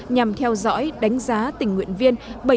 nhằm theo dõi đánh giá tình nguyện viên